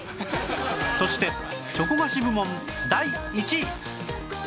そしてチョコ菓子部門第１位